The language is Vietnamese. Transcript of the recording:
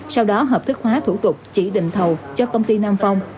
sau đó hợp thức hóa thủ tục chỉ định thầu cho công ty nam phong